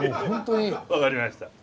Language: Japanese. はい分かりました。